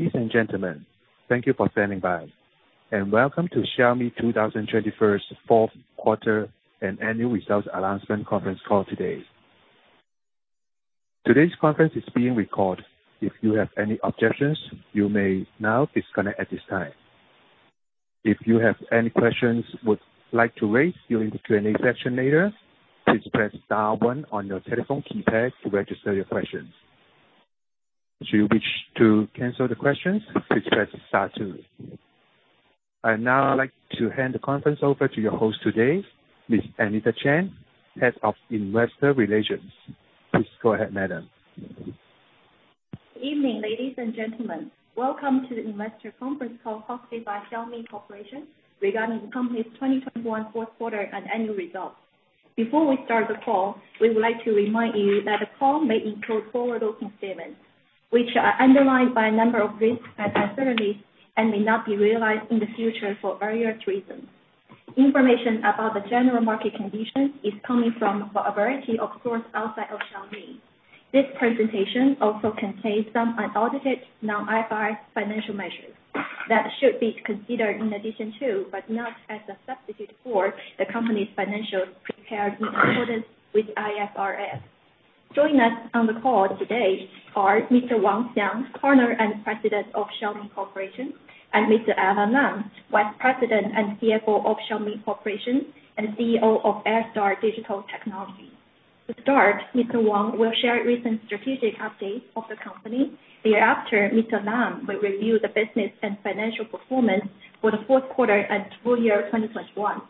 Ladies and gentlemen, thank you for standing by and welcome to Xiaomi 2021 fourth quarter and annual results announcement conference call today. Today's conference is being recorded. If you have any objections, you may now disconnect at this time. If you have any questions you would like to raise during the Q&A session later, please press star one on your telephone keypad to register your questions. To cancel the questions, please press star two. I'd now like to hand the conference over to your host today, Ms. Anita Chen, Head of Investor Relations. Please go ahead, madam. Evening, ladies and gentlemen. Welcome to the investor conference call hosted by Xiaomi Corporation regarding the company's 2021 fourth quarter and annual results. Before we start the call, we would like to remind you that the call may include forward-looking statements, which are underlined by a number of risks and uncertainties and may not be realized in the future for various reasons. Information about the general market conditions is coming from a variety of sources outside of Xiaomi. This presentation also contains some unaudited non-IFRS financial measures that should be considered in addition to, but not as a substitute for, the company's financials prepared in accordance with IFRS. Joining us on the call today are Mr. Wang Xiang, Founder and President of Xiaomi Corporation, and Mr. Alain Lam, Vice President and CFO of Xiaomi Corporation and CEO of Airstar Digital Technology. To start Mr. Wang will share recent strategic updates of the company. Thereafter, Mr. Lam will review the business and financial performance for the fourth quarter and full year 2021.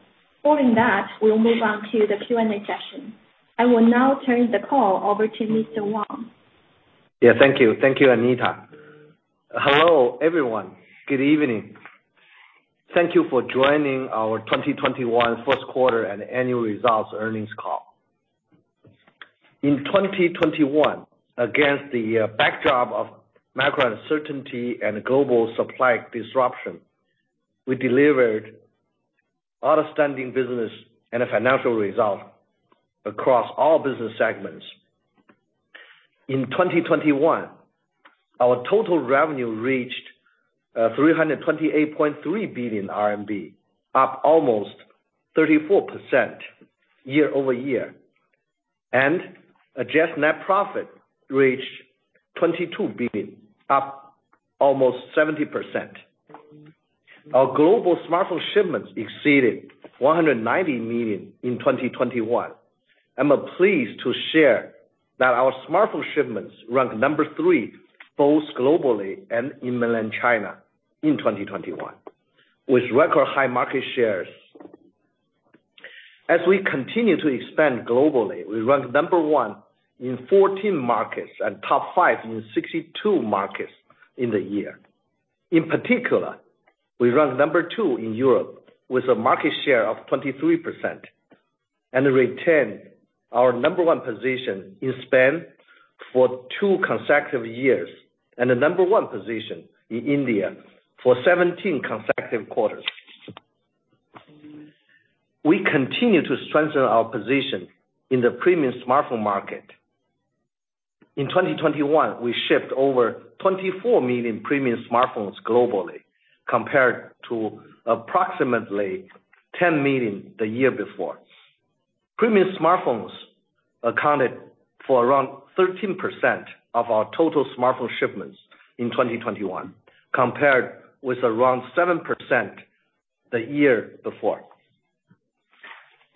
Following that, we'll move on to the Q&A session. I will now turn the call over to Mr. Wang. Yeah. Thank you. Thank you, Anita. Hello, everyone. Good evening. Thank you for joining our 2021 first quarter and annual results earnings call. In 2021, against the backdrop of macro uncertainty and global supply disruption, we delivered outstanding business and a financial result across all business segments. In 2021, our total revenue reached 328.3 billion RMB, up almost 34% year over year. Adjusted net profit reached 22 billion, up almost 70%. Our global smartphone shipments exceeded 190 million in 2021. I'm pleased to share that our smartphone shipments ranked number three, both globally and in Mainland China in 2021, with record high market shares. As we continue to expand globally, we ranked number one in 14 markets and top five in 62 markets in the year. In particular, we ranked number two in Europe with a market share of 23% and retained our number one position in Spain for two consecutive years and the number 1 position in India for 17 consecutive quarters. We continue to strengthen our position in the premium smartphone market. In 2021, we shipped over 24 million premium smartphones globally, compared to approximately 10 million the year before. Premium smartphones accounted for around 13% of our total smartphone shipments in 2021, compared with around 7% the year before.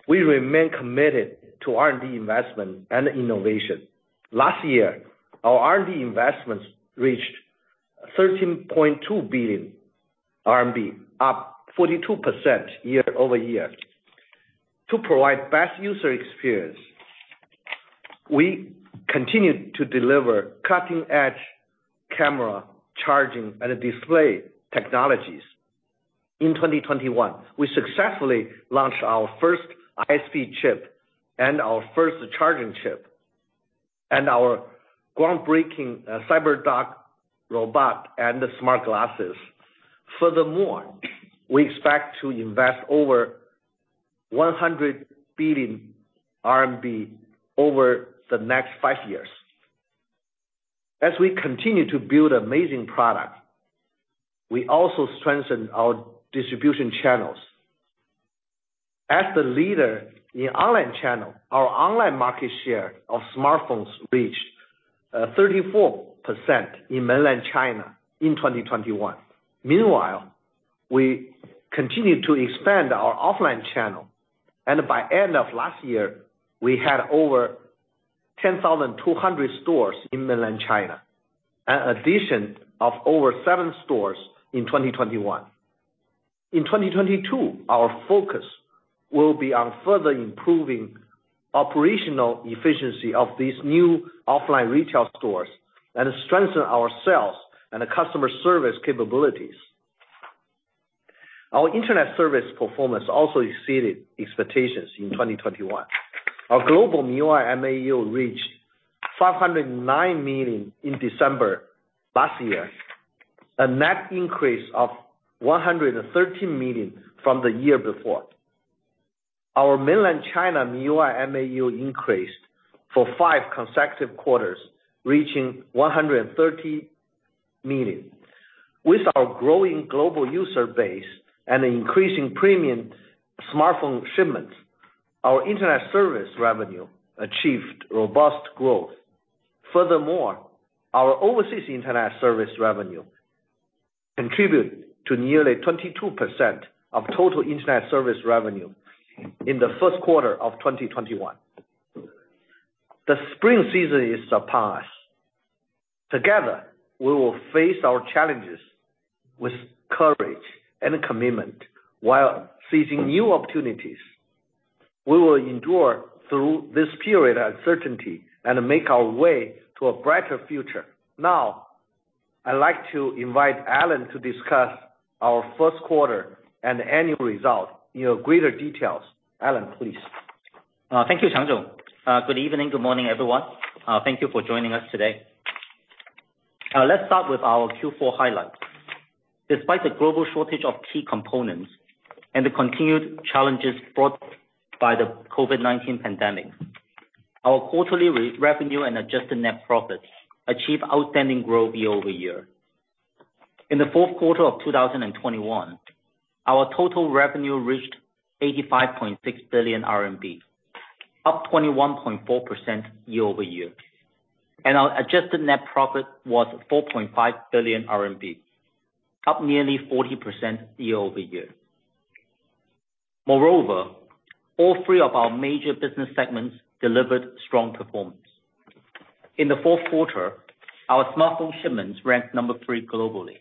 We remain committed to R&D investment and innovation. Last year, our R&D investments reached 13.2 billion RMB, up 42% year-over-year. To provide best user experience, we continued to deliver cutting-edge camera, charging, and display technologies. In 2021, we successfully launched our first ISP chip and our first charging chip and our groundbreaking CyberDog robot and the smart glasses. Furthermore, we expect to invest over 100 billion RMB over the next five years. As we continue to build amazing products, we also strengthen our distribution channels. As the leader in online channel, our online market share of smartphones reached 34% in Mainland China in 2021. Meanwhile, we continued to expand our offline channel, and by end of last year, we had over 10,200 stores in Mainland China, an addition of over seven stores in 2021. In 2022, our focus will be on further improving operational efficiency of these new offline retail stores and strengthen our sales and customer service capabilities. Our internet service performance also exceeded expectations in 2021. Our global MIUI MAU reached 509 million in December last year, a net increase of 113 million from the year before. Our mainland China MIUI MAU increased for five consecutive quarters, reaching 130 million. With our growing global user base and increasing premium smartphone shipments, our internet service revenue achieved robust growth. Furthermore, our overseas internet service revenue contributed to nearly 22% of total internet service revenue in the first quarter of 2021. The spring season is upon us. Together, we will face our challenges with courage and commitment, while seizing new opportunities. We will endure through this period of certainty and make our way to a brighter future. Now, I'd like to invite Alain to discuss our first quarter and annual result in greater details. Alain, please. Thank you, Wang Xiang. Good evening, good morning, everyone. Thank you for joining us today. Let's start with our Q4 highlights. Despite the global shortage of key components and the continued challenges brought by the COVID-19 pandemic, our quarterly revenue and adjusted net profit achieve outstanding growth year-over-year. In the fourth quarter of 2021, our total revenue reached 85.6 billion RMB, up 21.4% year-over-year, and our adjusted net profit was 4.5 billion RMB, up nearly 40% year-over-year. Moreover, all three of our major business segments delivered strong performance. In the fourth quarter, our smartphone shipments ranked number three globally,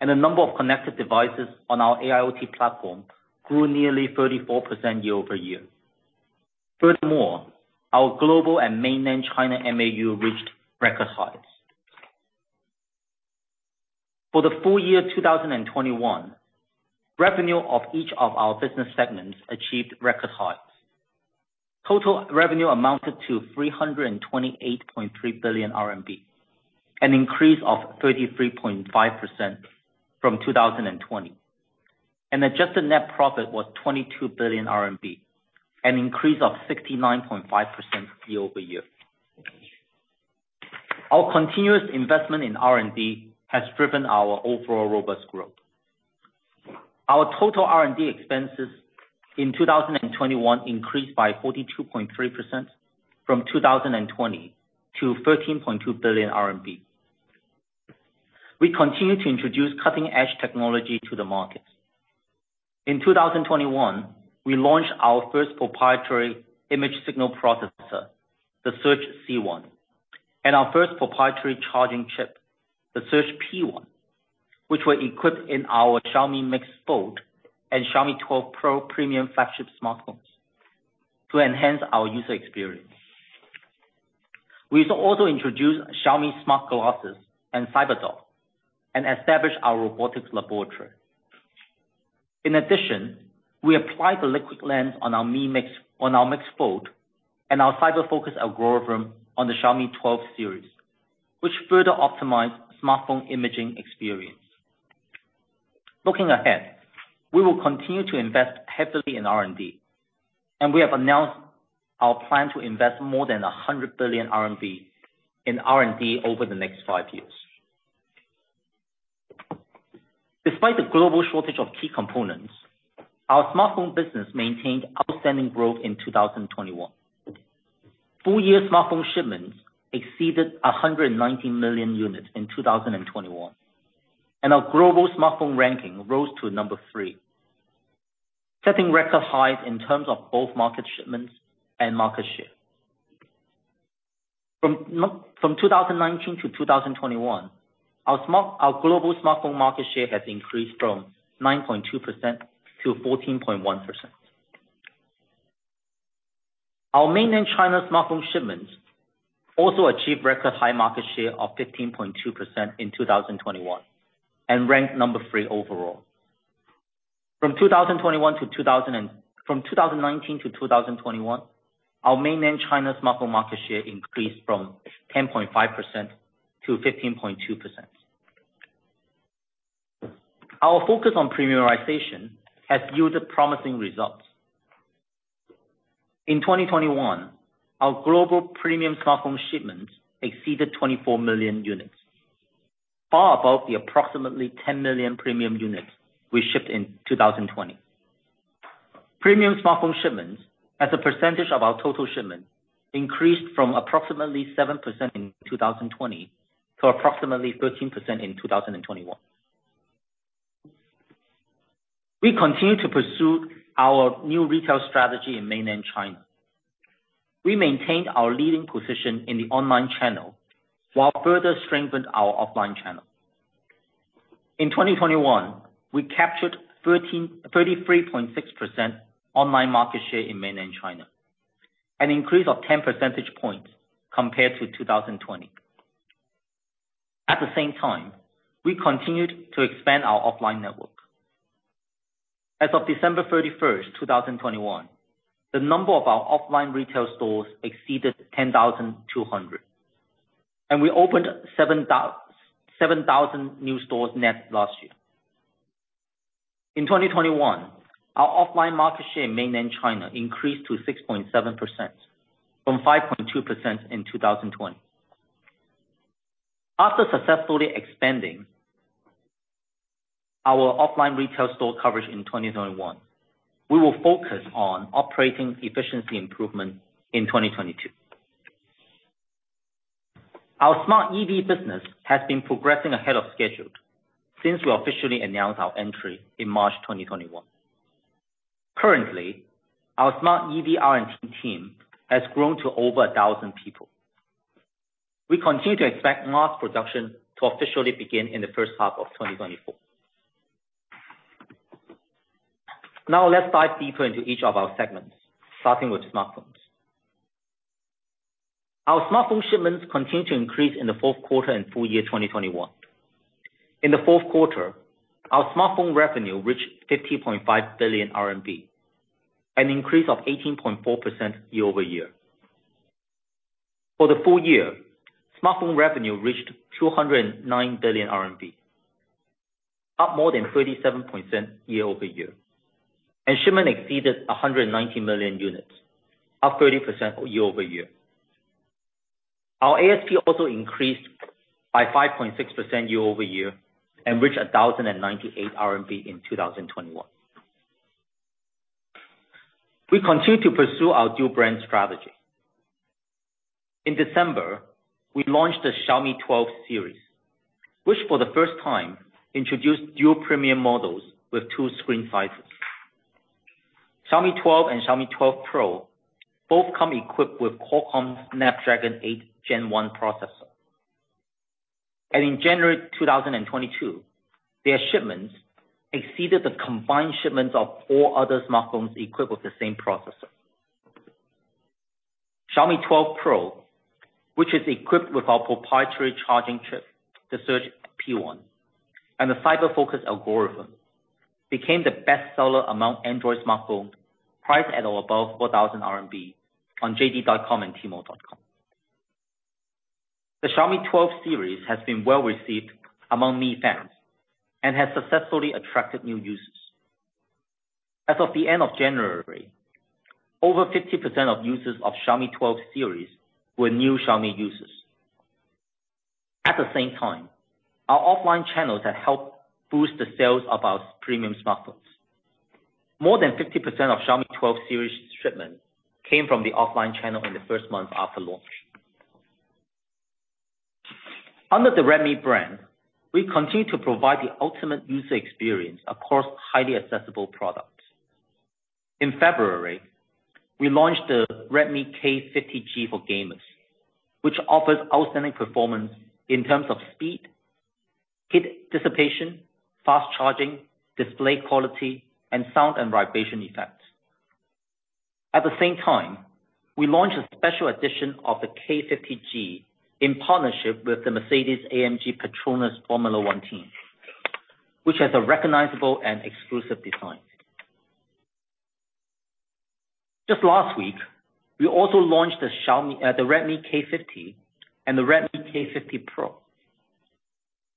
and the number of connected devices on our AIoT platform grew nearly 34% year-over-year. Furthermore, our global and mainland China MAU reached record highs. For the full year 2021, revenue of each of our business segments achieved record highs. Total revenue amounted to 328.3 billion RMB, an increase of 33.5% from 2020. Adjusted net profit was 22 billion RMB, an increase of 69.5% year over year. Our continuous investment in R&D has driven our overall robust growth. Our total R&D expenses in 2021 increased by 42.3% from 2020 to 13.2 billion RMB. We continue to introduce cutting-edge technology to the market. In 2021, we launched our first proprietary image signal processor, the Surge C1, and our first proprietary charging chip, the Surge P1, which were equipped in our Xiaomi MIX Fold and Xiaomi 12 Pro premium flagship smartphones to enhance our user experience. We also introduced Xiaomi Smart Glasses and CyberDog and established our robotics laboratory. In addition, we applied the liquid lens on our MIX Fold and our CyberFocus algorithm on the Xiaomi 12 series, which further optimized smartphone imaging experience. Looking ahead, we will continue to invest heavily in R&D, and we have announced our plan to invest more than 100 billion RMB in R&D over the next five years. Despite the global shortage of key components, our smartphone business maintained outstanding growth in 2021. Full year smartphone shipments exceeded 190 million units in 2021, and our global smartphone ranking rose to number three, setting record highs in terms of both market shipments and market share. From 2019-2021, our global smartphone market share has increased from 9.2%-14.1%. Our Mainland China smartphone shipments also achieved record high market share of 15.2% in 2021 and ranked number three overall. From 2019-2021, our Mainland China smartphone market share increased from 10.5%-15.2%. Our focus on premiumization has yielded promising results. In 2021, our global premium smartphone shipments exceeded 24 million units, far above the approximately 10 million premium units we shipped in 2020. Premium smartphone shipments, as a percentage of our total shipment, increased from approximately 7% in 2020 to approximately 13% in 2021. We continue to pursue our new retail strategy in mainland China. We maintained our leading position in the online channel, while further strengthened our offline channel. In 2021, we captured 33.6% online market share in mainland China, an increase of 10 percentage points compared to 2020. At the same time, we continued to expand our offline network. As of December 31, 2021, the number of our offline retail stores exceeded 10,200. We opened 7,000 new stores net last year. In 2021, our offline market share in mainland China increased to 6.7% from 5.2% in 2020. After successfully expanding our offline retail store coverage in 2021, we will focus on operating efficiency improvement in 2022. Our smart EV business has been progressing ahead of schedule since we officially announced our entry in March 2021. Currently, our smart EV R&D team has grown to over 1,000 people. We continue to expect mass production to officially begin in the first half of 2024. Now let's dive deeper into each of our segments, starting with smartphones. Our smartphone shipments continued to increase in the fourth quarter and full year 2021. In the fourth quarter, our smartphone revenue reached 50.5 billion RMB, an increase of 18.4% year-over-year. For the full year, smartphone revenue reached 209 billion RMB, up more than 37% year-over-year, and shipments exceeded 190 million units, up 30% year-over-year. Our ASP also increased by 5.6% year-over-year and reached RMB 1,098 in 2021. We continue to pursue our dual brand strategy. In December, we launched the Xiaomi 12 series, which for the first time introduced dual premier models with two screen sizes. Xiaomi 12 and Xiaomi 12 Pro both come equipped with Qualcomm Snapdragon 8 Gen 1 processor. In January 2022, their shipments exceeded the combined shipments of all other smartphones equipped with the same processor. Xiaomi 12 Pro, which is equipped with our proprietary charging chip, the Surge P1, and a CyberFocus algorithm, became the best seller among Android smartphones priced at or above 4,000 RMB on JD.com and Tmall.com. The Xiaomi 12 series has been well received among Mi fans and has successfully attracted new users. As of the end of January, over 50% of users of Xiaomi 12 series were new Xiaomi users. At the same time, our offline channels have helped boost the sales of our premium smartphones. More than 50% of Xiaomi 12 series shipments came from the offline channel in the first month after launch. Under the Redmi brand, we continue to provide the ultimate user experience across highly accessible products. In February, we launched the Redmi K50G for gamers, which offers outstanding performance in terms of speed, heat dissipation, fast charging, display quality, and sound and vibration effects. At the same time, we launched a special edition of the K50G in partnership with the Mercedes-AMG Petronas Formula 1 Team, which has a recognizable and exclusive design. Just last week, we also launched the Redmi K50 and the Redmi K50 Pro.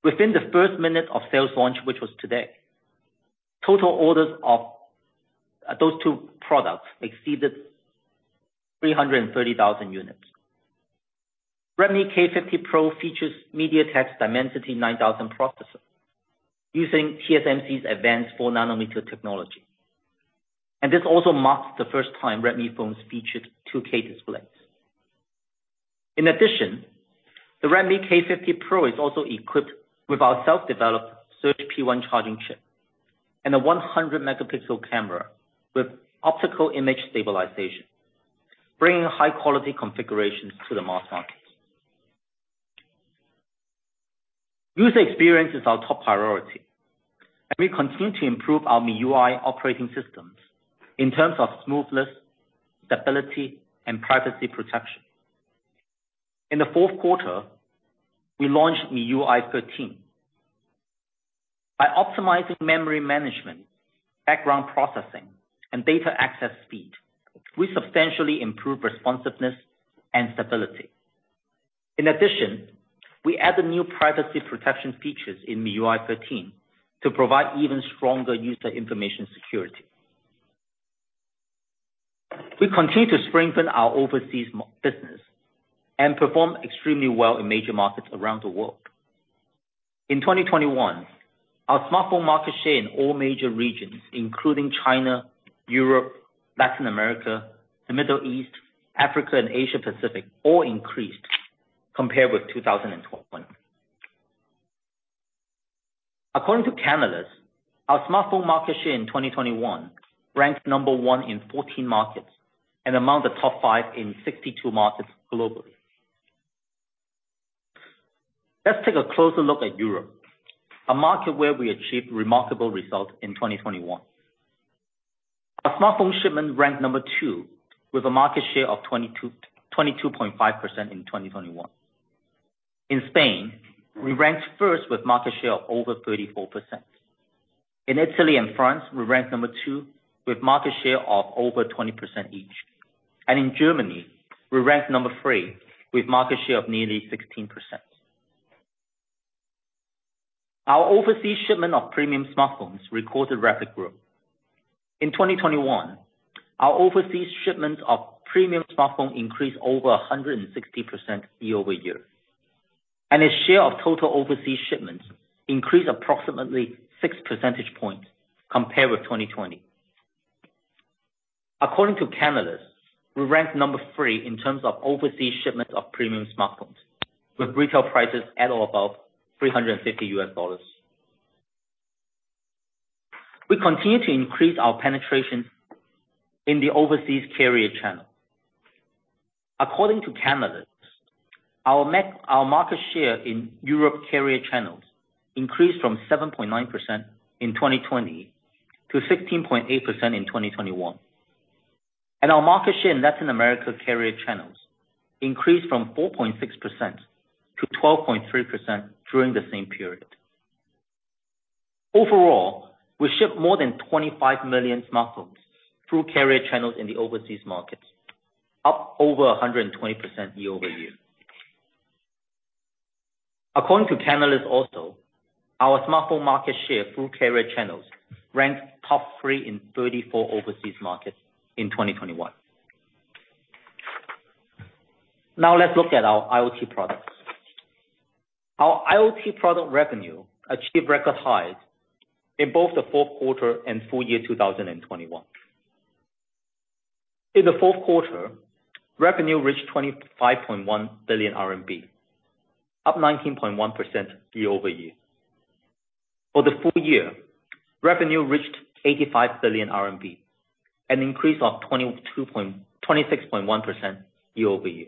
Within the first minute of sales launch, which was today, total orders of those two products exceeded 330,000 units. Redmi K50 Pro features MediaTek's Dimensity 9000 processor using TSMC's advanced 4 nanometer technology. This also marks the first time Redmi phones featured 2K displays. In addition, the Redmi K50 Pro is also equipped with our self-developed Surge P1 charging chip and a 100-megapixel camera with optical image stabilization, bringing high-quality configurations to the mass market. User experience is our top priority, and we continue to improve our MIUI operating systems in terms of smoothness, stability, and privacy protection. In the fourth quarter, we launched MIUI 13. By optimizing memory management, background processing, and data access speed, we substantially improved responsiveness and stability. In addition, we added new privacy protection features in MIUI 13 to provide even stronger user information security. We continue to strengthen our overseas business and perform extremely well in major markets around the world. In 2021, our smartphone market share in all major regions, including China, Europe, Latin America, the Middle East, Africa, and Asia Pacific, all increased compared with 2020. According to Canalys, our smartphone market share in 2021 ranked number one in 14 markets and among the top five in 62 markets globally. Let's take a closer look at Europe, a market where we achieved remarkable results in 2021. Our smartphone shipment ranked number two with a market share of 22.5% in 2021. In Spain, we ranked first with market share of over 34%. In Italy and France, we ranked number two with market share of over 20% each. In Germany, we ranked number three with market share of nearly 16%. Our overseas shipment of premium smartphones recorded rapid growth. In 2021, our overseas shipments of premium smartphone increased over 160% year over year, and its share of total overseas shipments increased approximately six percentage points compared with 2020. According to Canalys, we ranked number three in terms of overseas shipments of premium smartphones, with retail prices at or above $350. We continue to increase our penetration in the overseas carrier channel. According to Canalys, our market share in Europe carrier channels increased from 7.9% in 2020 to 16.8% in 2021. Our market share in Latin America carrier channels increased from 4.6%-12.3% during the same period. Overall, we shipped more than 25 million smartphones through carrier channels in the overseas markets, up over 120% year-over-year. According to Canalys also, our smartphone market share through carrier channels ranked top three in 34 overseas markets in 2021. Now let's look at our IoT products. Our IoT product revenue achieved record highs in both the fourth quarter and full year 2021. In the fourth quarter, revenue reached 25.1 billion RMB, up 19.1% year-over-year. For the full year, revenue reached 85 billion RMB, an increase of 26.1% year-over-year.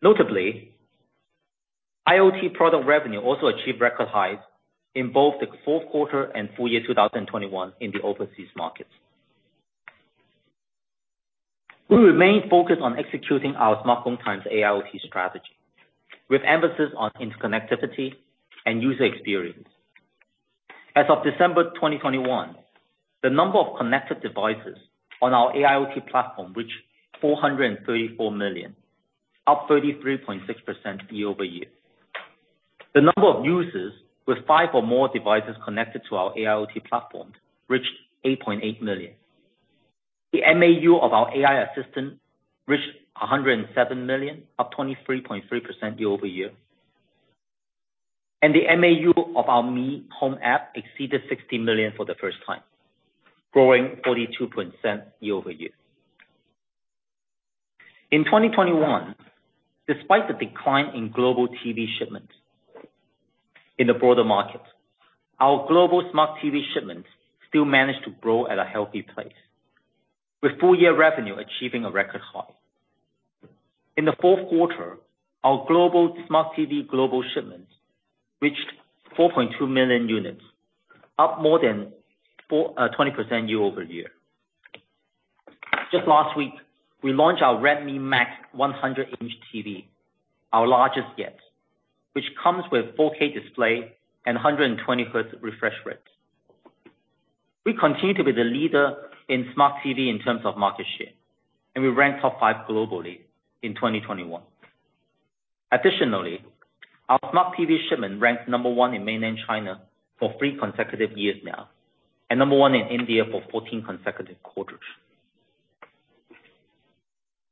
Notably, IoT product revenue also achieved record highs in both the fourth quarter and full year 2021 in the overseas markets. We remain focused on executing our smartphone times AIoT strategy, with emphasis on interconnectivity and user experience. As of December 2021, the number of connected devices on our AIoT platform reached 434 million, up 33.6% year-over-year. The number of users with five or more devices connected to our AIoT platform reached 8.8 million. The MAU of our AI assistant reached 107 million, up 23.3% year over year. The MAU of our Mi Home app exceeded 60 million for the first time, growing 42% year over year. In 2021, despite the decline in global TV shipments in the broader market, our global smart TV shipments still managed to grow at a healthy pace, with full year revenue achieving a record high. In the fourth quarter, our smart TV global shipments reached 4.2 million units, up more than four, twenty percent year over year. Just last week, we launched our Redmi Max 100-inch TV, our largest yet, which comes with 4K display and a 120 Hz refresh rate. We continue to be the leader in smart TV in terms of market share, and we ranked top five globally in 2021. Additionally, our smart TV shipment ranked number 1 in mainland China for three consecutive years now, and number one in India for 14 consecutive quarters.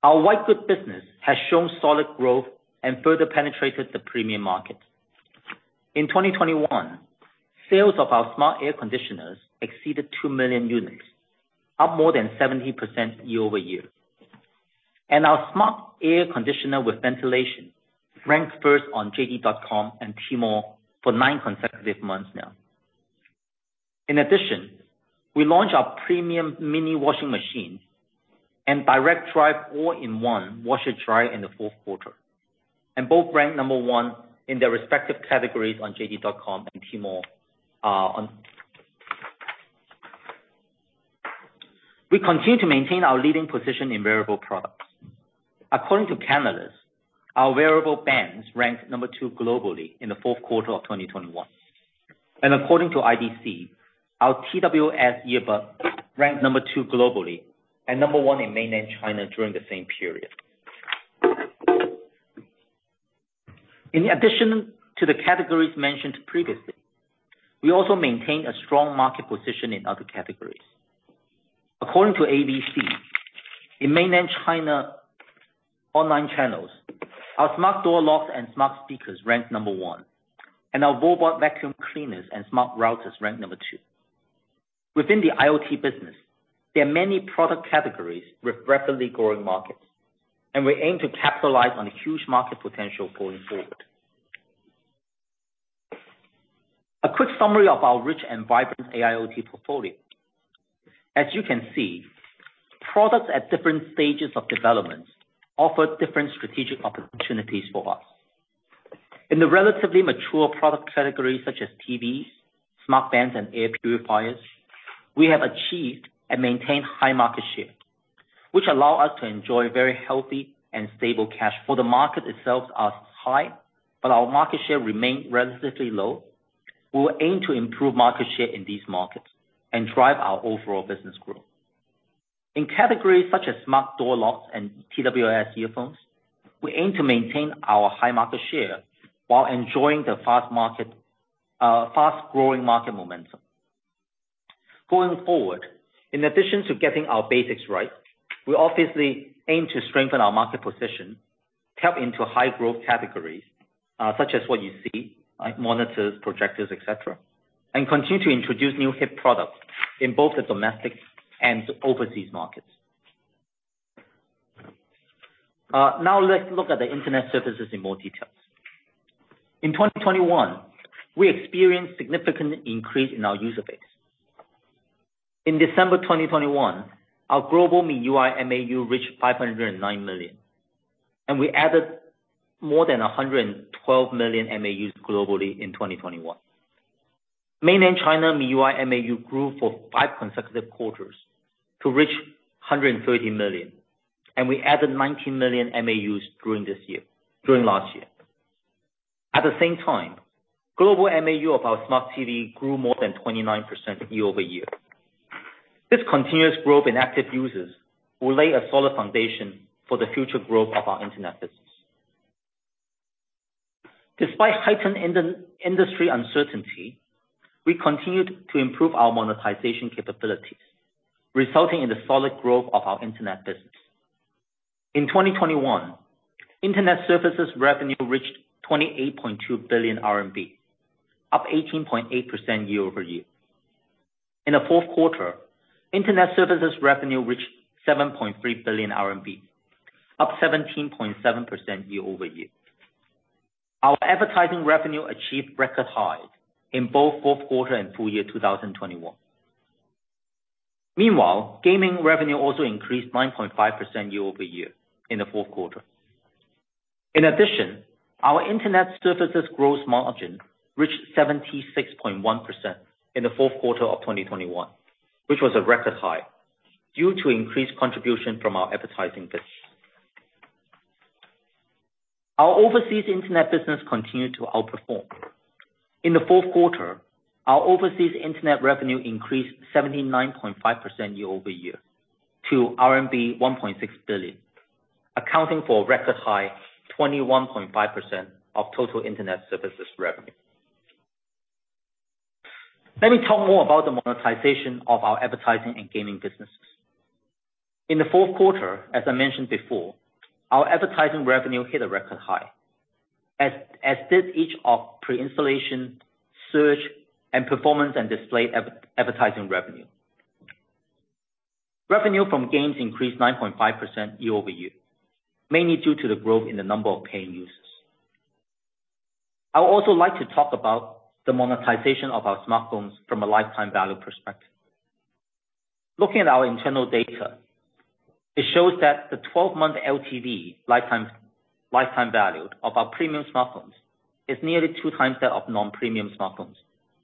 Our white goods business has shown solid growth and further penetrated the premium market. In 2021, sales of our smart air conditioners exceeded two million units, up more than 70% year-over-year. Our smart air conditioner with ventilation ranks first on jd.com and tmall.com for nine consecutive months now. In addition, we launched our premium mini washing machine and direct drive all-in-one washer dryer in the fourth quarter, and both ranked number one in their respective categories on jd.com and tmall.com. We continue to maintain our leading position in wearable products. According to Canalys, our wearable bands ranked number two globally in the fourth quarter of 2021. According to IDC, our TWS earbuds ranked number two globally and number one in mainland China during the same period. In addition to the categories mentioned previously, we also maintain a strong market position in other categories. According to AVC, in mainland China online channels, our smart door locks and smart speakers ranked number one, and our robot vacuum cleaners and smart routers ranked number two. Within the IoT business, there are many product categories with rapidly growing markets, and we aim to capitalize on the huge market potential going forward. A quick summary of our rich and vibrant AIoT portfolio. As you can see, products at different stages of development offer different strategic opportunities for us. In the relatively mature product categories such as TVs, smart bands, and air purifiers, we have achieved and maintained high market share, which allows us to enjoy very healthy and stable cash flow. In categories where the market itself is high, but our market share remains relatively low. We will aim to improve market share in these markets and drive our overall business growth. In categories such as smart door locks and TWS earphones, we aim to maintain our high market share while enjoying the fast-growing market momentum. Going forward, in addition to getting our basics right, we obviously aim to strengthen our market position, tap into high growth categories, such as what you see, like monitors, projectors, et cetera, and continue to introduce new hit products in both the domestic and overseas markets. Now let's look at the internet services in more details. In 2021, we experienced significant increase in our user base. In December 2021, our global MIUI MAU reached 509 million, and we added more than 112 million MAUs globally in 2021. Mainland China MIUI MAU grew for five consecutive quarters to reach 130 million, and we added 19 million MAUs during this year, during last year. At the same time, global MAU of our smart TV grew more than 29% year-over-year. This continuous growth in active users will lay a solid foundation for the future growth of our Internet business. Despite heightened industry uncertainty, we continued to improve our monetization capabilities, resulting in the solid growth of our Internet business. In 2021, Internet services revenue reached 28.2 billion RMB, up 18.8% year-over-year. In the fourth quarter, Internet services revenue reached 7.3 billion RMB, up 17.7% year-over-year. Our advertising revenue achieved record highs in both fourth quarter and full year 2021. Meanwhile, gaming revenue also increased 9.5% year-over-year in the fourth quarter. In addition, our Internet services growth margin reached 76.1% in the fourth quarter of 2021, which was a record high due to increased contribution from our advertising business. Our overseas Internet business continued to outperform. In the fourth quarter, our overseas Internet revenue increased 79.5% year-over-year to RMB 1.6 billion, accounting for a record high 21.5% of total Internet services revenue. Let me talk more about the monetization of our advertising and gaming businesses. In the fourth quarter, as I mentioned before, our advertising revenue hit a record high, as did each of pre-installation, search, and performance and display advertising revenue. Revenue from games increased 9.5% year-over-year, mainly due to the growth in the number of paying users. I would also like to talk about the monetization of our smartphones from a lifetime value perspective. Looking at our internal data, it shows that the 12-month LTV, lifetime value of our premium smartphones is nearly two times that of non-premium smartphones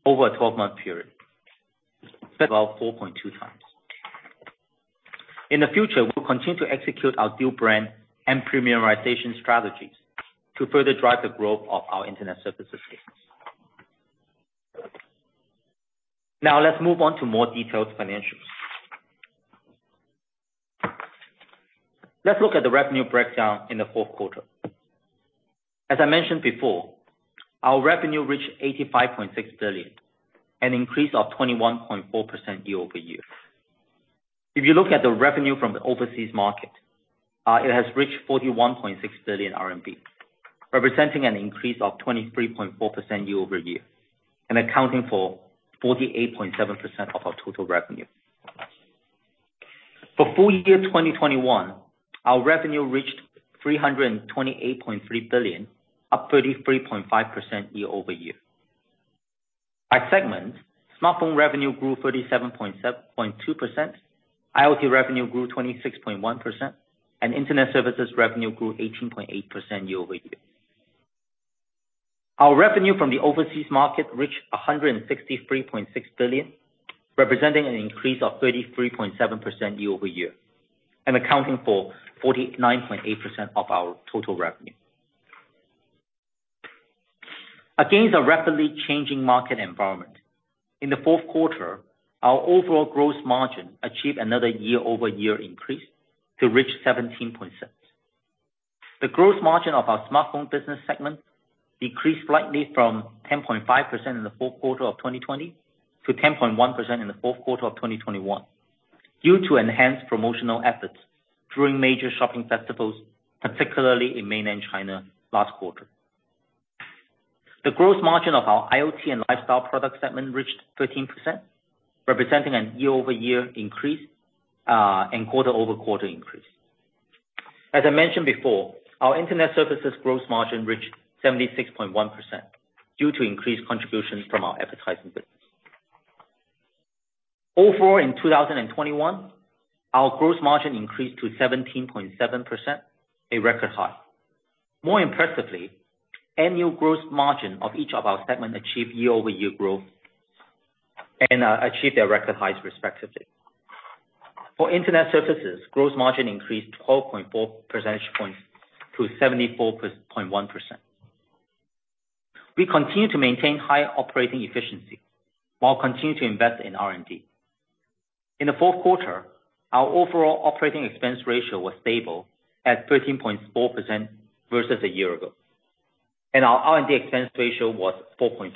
over a 12-month period. About 4.2x. In the future, we'll continue to execute our dual brand and premierization strategies to further drive the growth of our Internet services business. Now let's move on to more detailed financials. Let's look at the revenue breakdown in the fourth quarter. As I mentioned before, our revenue reached 85.6 billion, an increase of 21.4% year-over-year. If you look at the revenue from the overseas market, it has reached 41.6 billion RMB, representing an increase of 23.4% year-over-year, and accounting for 48.7% of our total revenue. For full year 2021, our revenue reached RMB 328.3 billion, up 33.5% year-over-year. By segment, smartphone revenue grew 37.2%, IoT revenue grew 26.1%, and Internet services revenue grew 18.8% year-over-year. Our revenue from the overseas market reached 163.6 billion, representing an increase of 33.7% year-over-year, and accounting for 49.8% of our total revenue. Against a rapidly changing market environment, in the fourth quarter, our overall growth margin achieved another year-over-year increase to reach 17.6%. The growth margin of our smartphone business segment decreased slightly from 10.5% in the fourth quarter of 2020 to 10.1% in the fourth quarter of 2021 due to enhanced promotional efforts during major shopping festivals, particularly in mainland China last quarter. The growth margin of our IoT and lifestyle product segment reached 13%, representing a year-over-year increase, and quarter-over-quarter increase. As I mentioned before, our Internet services growth margin reached 76.1% due to increased contributions from our advertising business. Overall, in 2021, our growth margin increased to 17.7%, a record high. More impressively, annual growth margin of each of our segment achieved year-over-year growth and achieve their record highs respectively. For Internet services, gross margin increased 12.4 percentage points to 74.1%. We continue to maintain high operating efficiency, while continuing to invest in R&D. In the fourth quarter, our overall operating expense ratio was stable at 13.4% versus a year ago, and our R&D expense ratio was 4.5%.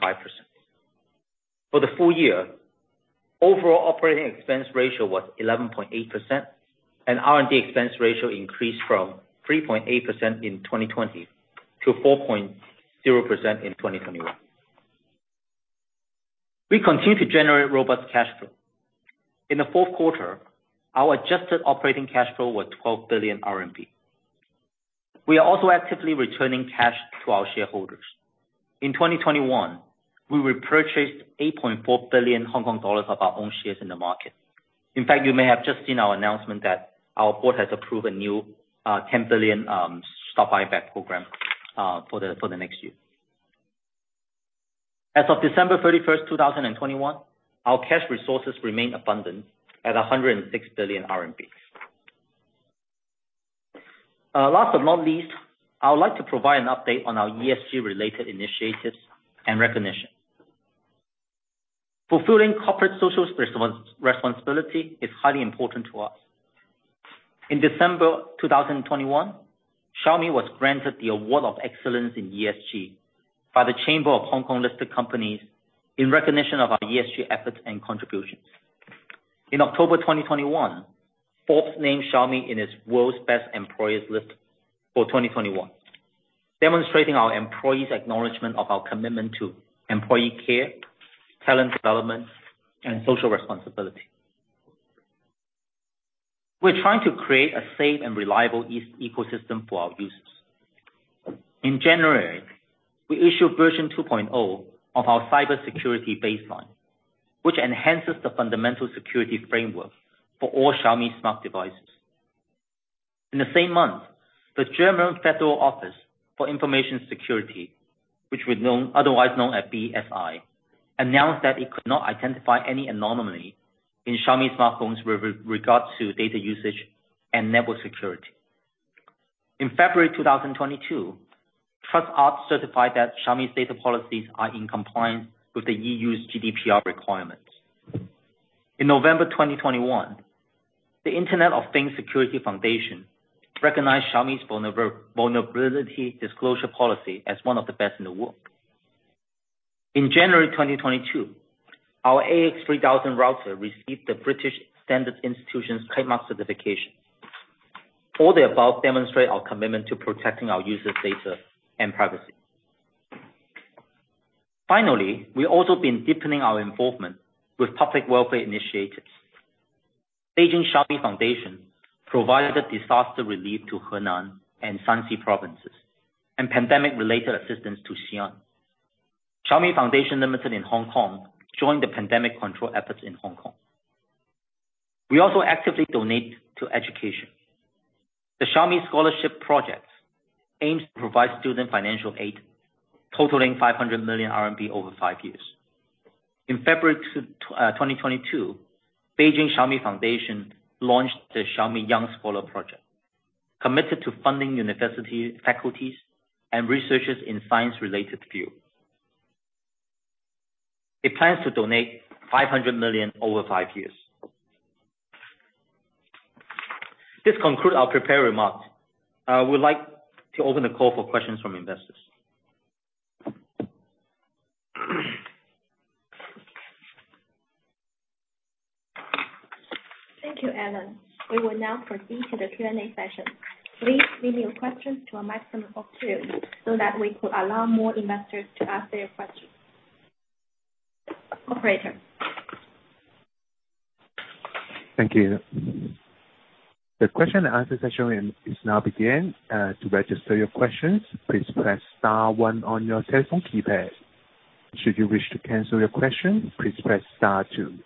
For the full year, overall operating expense ratio was 11.8%, and R&D expense ratio increased from 3.8% in 2020 to 4.0% in 2021. We continue to generate robust cash flow. In the fourth quarter, our adjusted operating cash flow was 12 billion RMB. We are also actively returning cash to our shareholders. In 2021, we repurchased 8.4 billion Hong Kong dollars of our own shares in the market. In fact, you may have just seen our announcement that our board has approved a new 10 billion stock buyback program for the next year. As of December 31, 2021, our cash resources remain abundant at 106 billion RMB. Last but not least, I would like to provide an update on our ESG related initiatives and recognition. Fulfilling corporate social responsibility is highly important to us. In December 2021, Xiaomi was granted the Award of Excellence in ESG by the Chamber of Hong Kong Listed Companies in recognition of our ESG efforts and contributions. In October 2021, Forbes named Xiaomi in its World's Best Employers list for 2021, demonstrating our employees' acknowledgement of our commitment to employee care, talent development, and social responsibility. We're trying to create a safe and reliable ecosystem for our users. In January, we issued version 2.0 of our cybersecurity baseline, which enhances the fundamental security framework for all Xiaomi's smart devices. In the same month, the German Federal Office for Information Security, which we've known, otherwise known as BSI, announced that it could not identify any anomaly in Xiaomi smartphones regards to data usage and network security. In February 2022, TrustArc certified that Xiaomi's data policies are in compliance with the EU's GDPR requirements. In November 2021, the Internet of Things Security Foundation recognized Xiaomi's vulnerability disclosure policy as one of the best in the world. In January 2022, our AX3000 router received the British Standards Institution's Trade Mark Certification. All the above demonstrate our commitment to protecting our users' data and privacy. Finally, we've also been deepening our involvement with public welfare initiatives. Beijing Xiaomi Foundation provided the disaster relief to Henan and Shanxi provinces, and pandemic related assistance to Xi'an. Xiaomi Foundation Limited in Hong Kong joined the pandemic control efforts in Hong Kong. We also actively donate to education. The Xiaomi Scholarship project aims to provide student financial aid totaling 500 million RMB over five years. In February 2022, Beijing Xiaomi Foundation launched the Xiaomi Young Scholar Project, committed to funding university faculties and researchers in science-related fields. It plans to donate 500 million over five years. This conclude our prepared remarks. We'd like to open the call for questions from investors. Thank you, Alain. We will now proceed to the Q&A session. Please limit your questions to a maximum of two so that we could allow more investors to ask their questions. Operator? Thank you. The question and answer session is now beginning. To register your questions, please press star one on your telephone keypad. Should you wish to cancel your question, please press star two.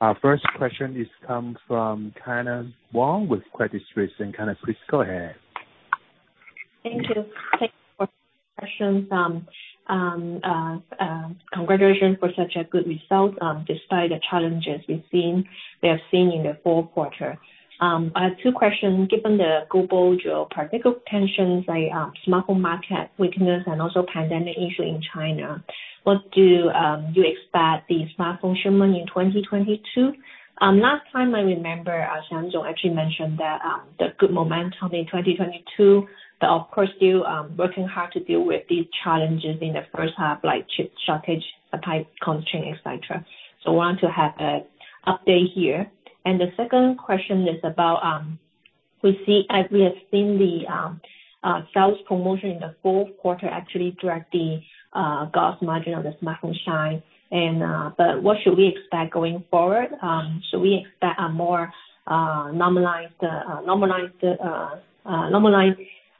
Our first question comes from Ke Wang with Credit Suisse. Ke, please go ahead. Thank you for questions. Congratulations for such a good result despite the challenges we've seen in the fourth quarter. I have two questions. Given the global geopolitical tensions like smartphone market weakness and also pandemic issue in China, what do you expect the smartphone shipment in 2022? Last time I remember, Wang Xiang actually mentioned that the good momentum in 2022, but of course you working hard to deal with these challenges in the first half, like chip shortage, supply constraint, et cetera. Want to have an update here. The second question is about, as we have seen the sales promotion in the fourth quarter actually drive the gross margin of the smartphone business, but what should we expect going forward? Should we expect a more normalized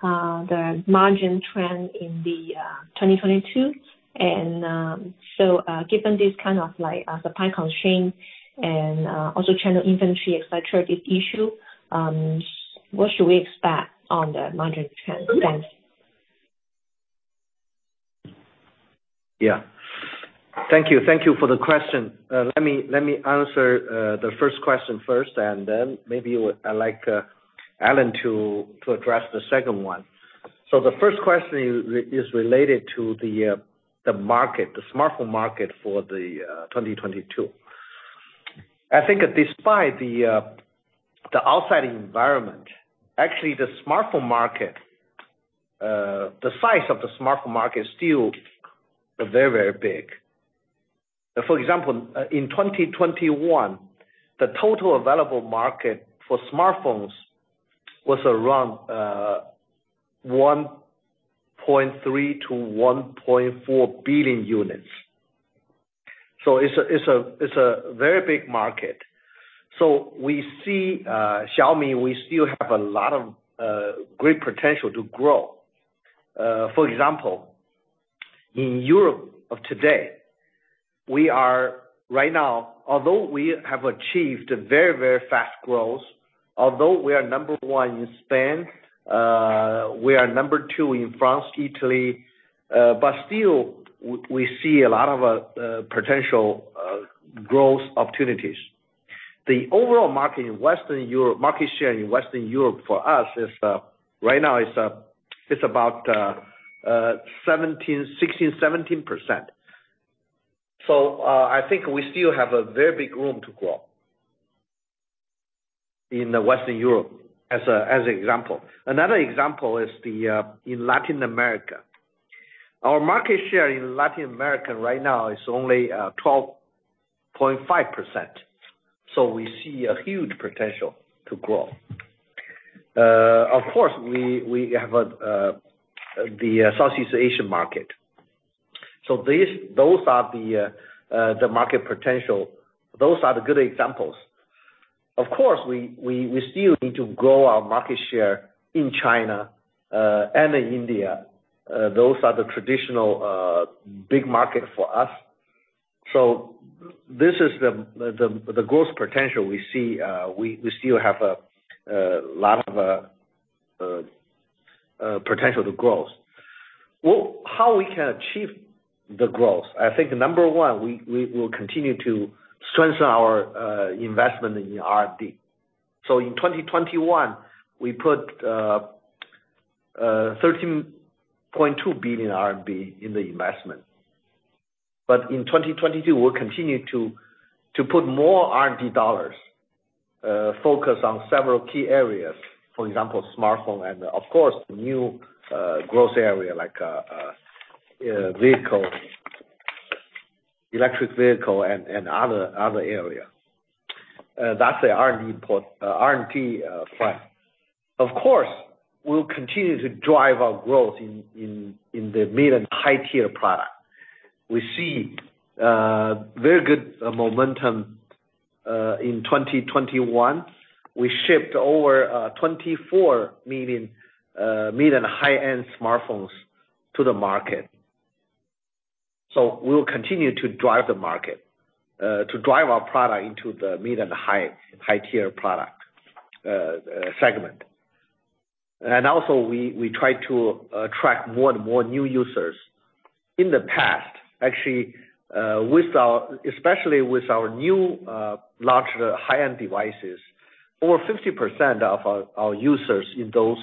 margin trend in 2022? Given this kind of like supply constraint and also channel inventory et cetera, this issue, what should we expect on the margin trend? Thanks. Thank you. Thank you for the question. Let me answer the first question first, and then I'd like Alain to address the second one. The first question is related to the market, the smartphone market for 2022. I think that despite the outside environment, actually the smartphone market, the size of the smartphone market is still very big. For example, in 2021, the total available market for smartphones was around 1.3-1.4 billion units. It's a very big market. We see Xiaomi. We still have a lot of great potential to grow. For example, in Europe today, we are right now, although we have achieved a very fast growth, although we are number one in Spain, we are number two in France, Italy, but still we see a lot of potential growth opportunities. The overall market in Western Europe, market share in Western Europe for us is right now is about 16%-17%. I think we still have a very big room to grow in Western Europe as an example. Another example is in Latin America. Our market share in Latin America right now is only 12.5%, so we see a huge potential to grow. Of course, we have the Southeast Asian market. This, those are the market potential. Those are the good examples. Of course, we still need to grow our market share in China and in India. Those are the traditional big market for us. This is the growth potential we see. We still have a lot of potential to grow. Well, how we can achieve the growth? I think number one, we will continue to strengthen our investment in the R&D. In 2021, we put 13.2 billion RMB in the investment. In 2022, we'll continue to put more R&D dollars focused on several key areas, for example, smartphone, and of course, new growth area like vehicle, electric vehicle and other area. That's our R&D plan. Of course, we'll continue to drive our growth in the mid and high tier product. We see very good momentum in 2021. We shipped over 24 million mid and high-end smartphones to the market. We will continue to drive the market to drive our product into the mid and high tier product segment. Also we try to attract more and more new users. In the past, actually, especially with our new larger high-end devices, over 50% of our users in those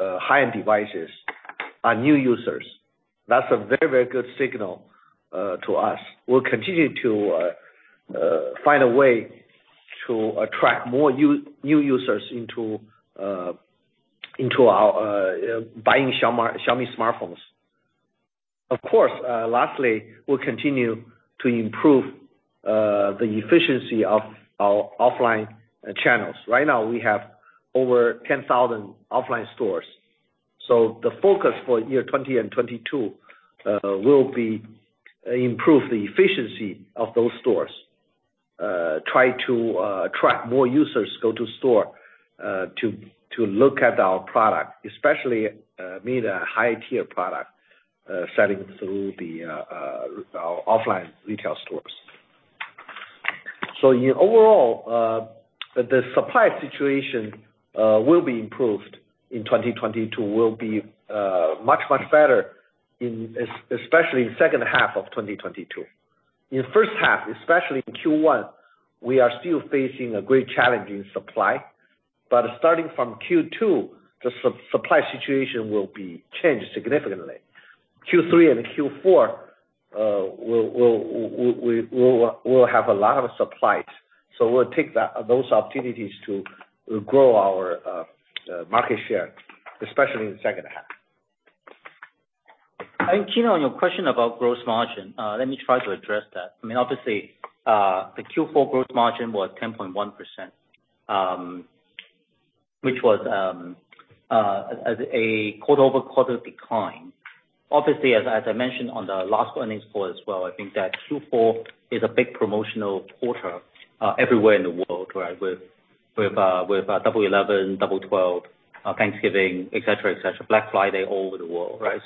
high-end devices are new users. That's a very good signal to us. We'll continue to find a way to attract more new users into buying Xiaomi smartphones. Of course, lastly, we'll continue to improve the efficiency of our offline channels. Right now we have over 10,000 offline stores. The focus for 2020 and 2022 will be improve the efficiency of those stores, try to attract more users go to store to look at our product, especially mid high-tier product selling through our offline retail stores. Overall, the supply situation will be improved in 2022, will be much better especially in second half of 2022. In first half, especially in Q1, we are still facing a great challenge in supply. Starting from Q2, the supply situation will be changed significantly. Q3 and Q4, we'll have a lot of supplies. We'll take those opportunities to grow our market share, especially in the second half. I think, Ke, on your question about gross margin, let me try to address that. I mean, obviously, the Q4 gross margin was 10.1%, which was a quarter-over-quarter decline. Obviously, as I mentioned on the last earnings call as well, I think that Q4 is a big promotional quarter everywhere in the world, right? With Double 11, Double 12, Thanksgiving, et cetera. Black Friday all over the world, right?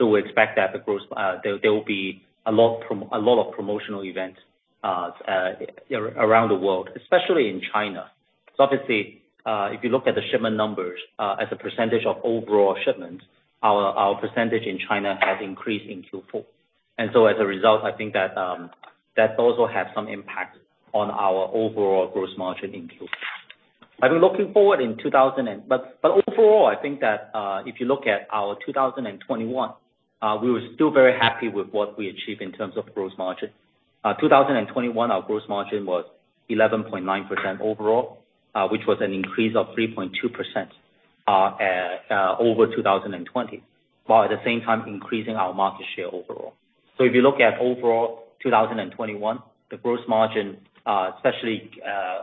We expect that the gross there will be a lot of promotional events around the world, especially in China. Obviously, if you look at the shipment numbers, as a percentage of overall shipments, our percentage in China has increased in Q4. As a result, I think that also has some impact on our overall gross margin in Q4. Overall, I think that, if you look at our 2021, we were still very happy with what we achieved in terms of gross margin. 2021, our gross margin was 11.9% overall, which was an increase of 3.2% over 2020, while at the same time increasing our market share overall. If you look at overall 2021, the gross margin, especially,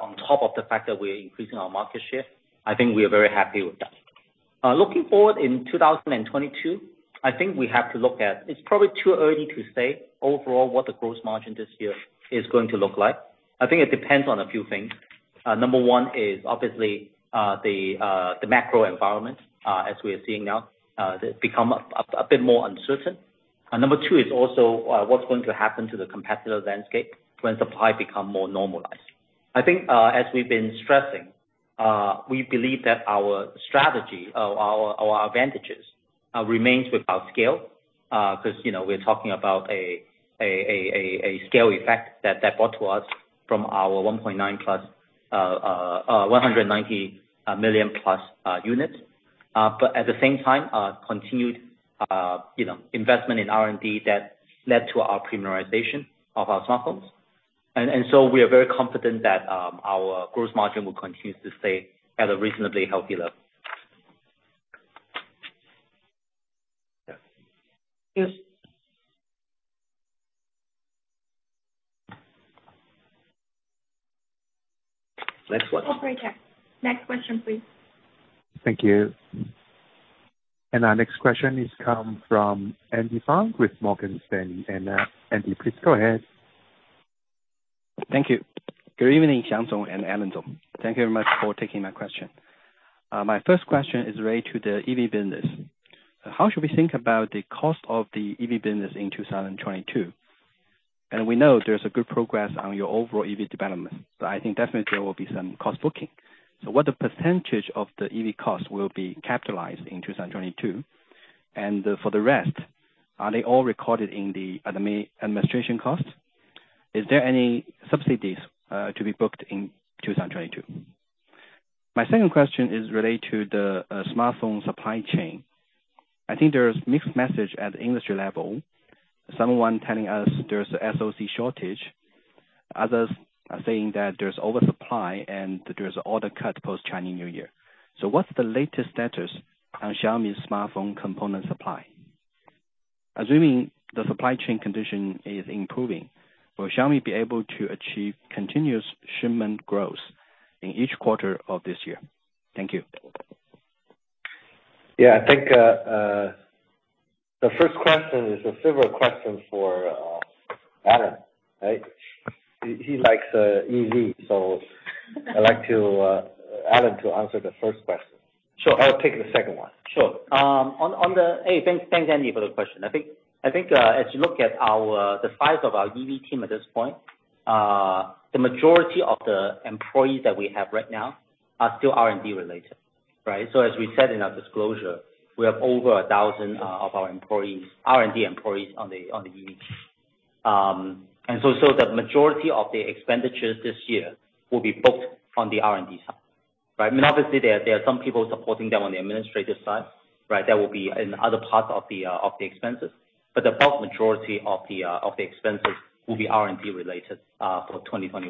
on top of the fact that we're increasing our market share, I think we are very happy with that. Looking forward in 2022, I think we have to look at. It's probably too early to say overall what the gross margin this year is going to look like. I think it depends on a few things. Number one is obviously the macro environment as we are seeing now. They've become a bit more uncertain. Number two is also what's going to happen to the competitor landscape when supply become more normalized. I think as we've been stressing, we believe that our strategy of our advantages remains with our scale, 'cause, you know, we're talking about a scale effect that brought to us from our 190 million+ units. at the same time, continued investment in R&D that led to our premiumization of our smartphones. We are very confident that our gross margin will continue to stay at a reasonably healthy level. Yes. Next one. Operator, next question, please. Thank you. Our next question is from Andy Meng with Morgan Stanley. Andy, please go ahead. Thank you. Good evening, Xiang Wang and Alain Lam. Thank you very much for taking my question. My first question is related to the EV business. How should we think about the cost of the EV business in 2022? We know there's a good progress on your overall EV development, but I think definitely there will be some cost booking. What percentage of the EV cost will be capitalized in 2022? For the rest, are they all recorded in the administration costs? Is there any subsidies to be booked in 2022? My second question is related to the smartphone supply chain. I think there is mixed message at the industry level. Someone telling us there's an SoC shortage, others are saying that there's oversupply and there's order cut post-Chinese New Year. What's the latest status on Xiaomi's smartphone component supply? Assuming the supply chain condition is improving, will Xiaomi be able to achieve continuous shipment growth in each quarter of this year? Thank you. Yeah, I think the first question is a general question for Alain, right? He likes EV. I'd like to Alain to answer the first question. Sure. I'll take the second one. Sure. Hey, thanks, Andy, for the question. I think as you look at the size of our EV team at this point, the majority of the employees that we have right now are still R&D related, right? As we said in our disclosure, we have over 1,000 of our employees, R&D employees on the EV team. The majority of the expenditures this year will be booked on the R&D side, right? I mean, obviously, there are some people supporting them on the administrative side, right? That will be in other parts of the expenses. The bulk majority of the expenses will be R&D related for 2021.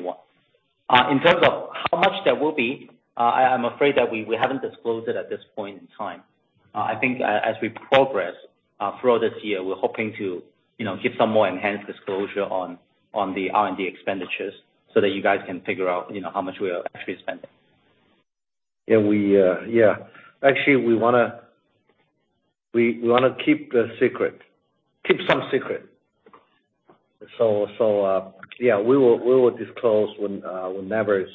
In terms of how much that will be, I'm afraid that we haven't disclosed it at this point in time. I think as we progress throughout this year, we're hoping to, you know, give some more enhanced disclosure on the R&D expenditures so that you guys can figure out, you know, how much we are actually spending. Yeah. Actually, we wanna keep the secret. Keep some secret. Yeah, we will disclose whenever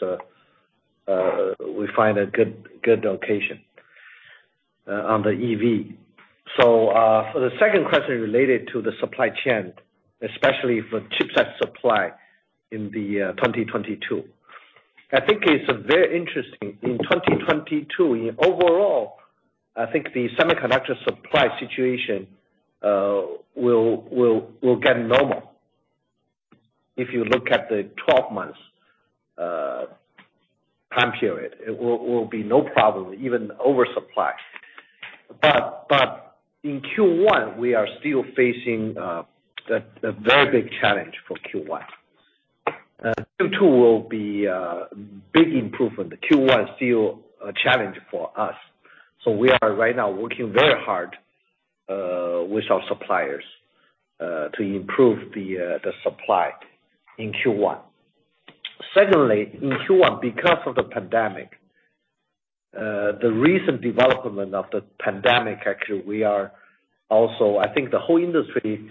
we find a good location on the EV. For the second question related to the supply chain, especially for chipset supply in the 2022, I think it's very interesting. In 2022, in overall, I think the semiconductor supply situation will get normal. If you look at the 12 months time period, it will be no problem, even oversupply. But in Q1, we are still facing the very big challenge for Q1. Q2 will be a big improvement. Q1 is still a challenge for us. We are right now working very hard with our suppliers to improve the supply in Q1. Secondly, in Q1, because of the pandemic, the recent development of the pandemic, actually, we are also. I think the whole industry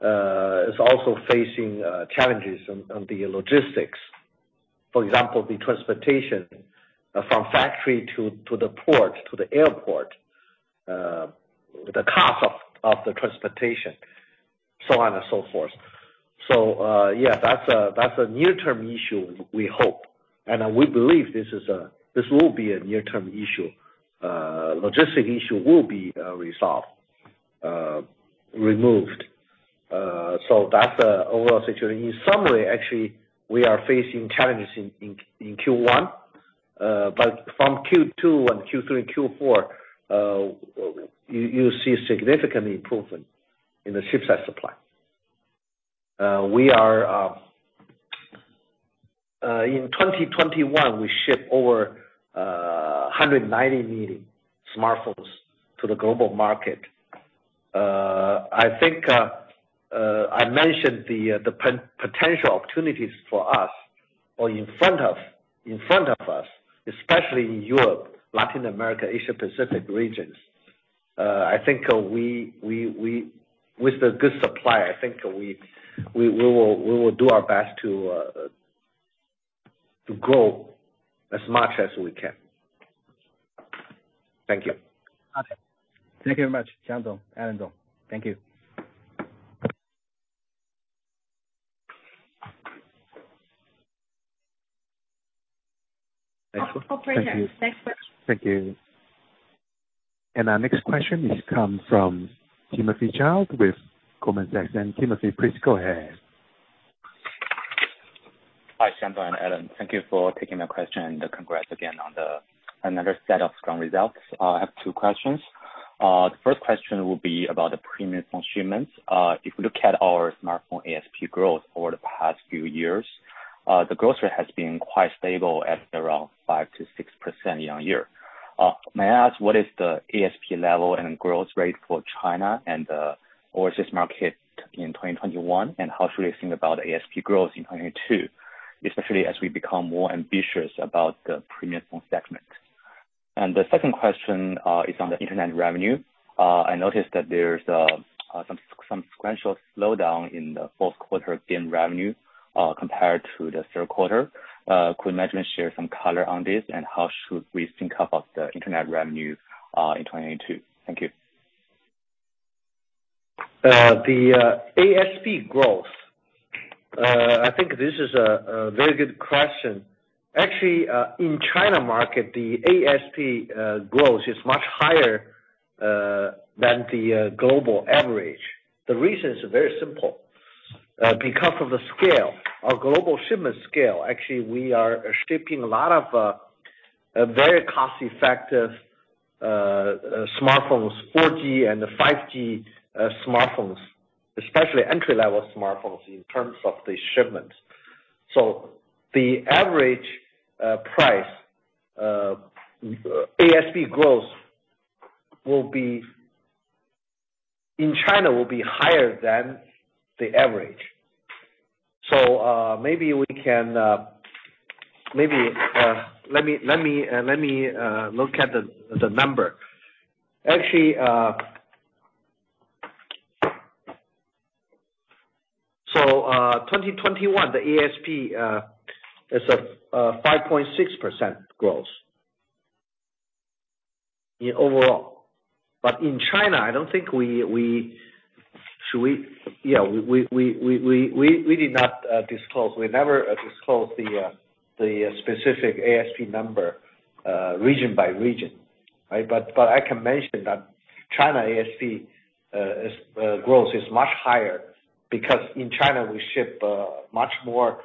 is also facing challenges on the logistics. For example, the transportation from factory to the port to the airport, the cost of the transportation, so on and so forth. That's a near-term issue we hope. We believe this will be a near-term issue. Logistic issue will be resolved, removed. That's the overall situation. In summary, actually, we are facing challenges in Q1. From Q2 and Q3, Q4, you'll see significant improvement in the chipset supply. We are in 2021 we ship over 190 million smartphones to the global market. I think I mentioned the potential opportunities for us in front of us, especially in Europe, Latin America, Asia-Pacific regions. I think with the good supply, I think we will do our best to grow as much as we can. Thank you. Okay. Thank you very much, Xiang Wang, Alain Lam. Thank you. Thank you. Thank you. Operator, thanks very much. Thank you. Our next question comes from Timothy Zhao with Goldman Sachs. Timothy, please go ahead. Hi, Xiang Wang and Alain Lam. Thank you for taking my question and congrats again on another set of strong results. I have two questions. The first question will be about the premium phone shipments. If we look at our smartphone ASP growth over the past few years, the growth rate has been quite stable at around 5%-6% year-on-year. May I ask what is the ASP level and growth rate for China and the overseas market in 2021, and how should we think about ASP growth in 2022, especially as we become more ambitious about the premium phone segment? The second question is on the internet revenue. I noticed that there's some sequential slowdown in the fourth quarter game revenue, compared to the third quarter. Could management share some color on this, and how should we think about the internet revenue in 2022? Thank you. The ASP growth, I think this is a very good question. Actually, in China market, the ASP growth is much higher than the global average. The reason is very simple. Because of the scale, our global shipment scale, actually, we are shipping a lot of very cost-effective smartphones, 4G and the 5G smartphones, especially entry-level smartphones in terms of the shipments. The average price ASP growth will be in China higher than the average. Maybe we can let me look at the number. Actually, 2021, the ASP is a 5.6% growth in overall. In China, I don't think we should. Yeah, we did not disclose. We never disclose the specific ASP number region by region. Right? I can mention that China ASP growth is much higher because in China we ship much more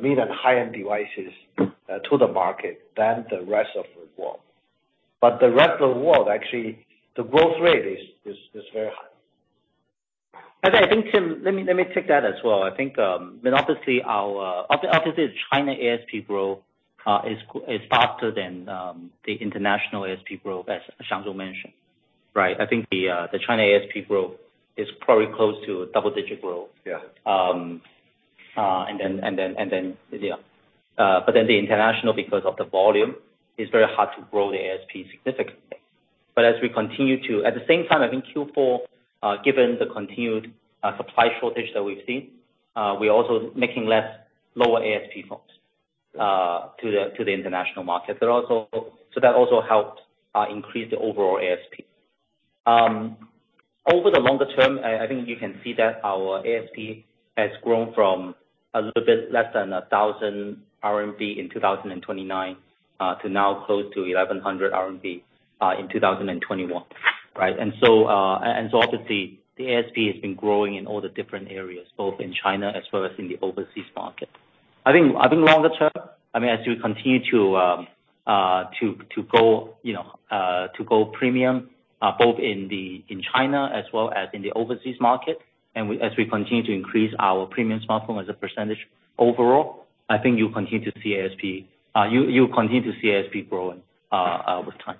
mid and high-end devices to the market than the rest of the world. The rest of the world, actually, the growth rate is very high. I think, Tim, let me take that as well. I think obviously our China ASP growth is faster than the international ASP growth, as Xiang Wang mentioned, right? I think the China ASP growth is probably close to a double-digit growth. Yeah. The international, because of the volume, is very hard to grow the ASP significantly. At the same time, I think Q4, given the continued supply shortage that we've seen, we're also making less lower ASP phones to the international market. That also helped increase the overall ASP. Over the longer term, I think you can see that our ASP has grown from a little bit less than 1,000 RMB in 2019 to now close to 1,100 RMB in 2021, right? Obviously the ASP has been growing in all the different areas, both in China as well as in the overseas market. I think longer term, I mean, as we continue to go premium, you know, both in China as well as in the overseas market, as we continue to increase our premium smartphone as a percentage overall, I think you'll continue to see ASP growing with time.